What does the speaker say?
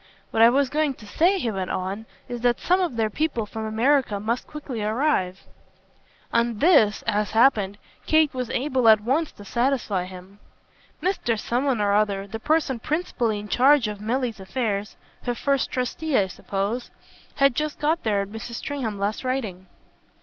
What I was going to say," he went on, "is that some of their people from America must quickly arrive." On this, as happened, Kate was able at once to satisfy him. "Mr. Someone or other, the person principally in charge of Milly's affairs her first trustee, I suppose had just got there at Mrs. Stringham's last writing."